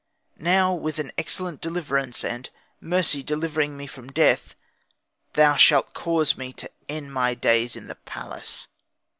Now with an excellent deliverance, and mercy delivering me from death, thou shall cause me to end my days in the palace."